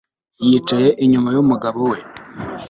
yaciye inyuma umugabo we